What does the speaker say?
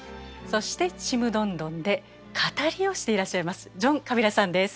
そして「ちむどんどん」で語りをしていらっしゃいますジョン・カビラさんです。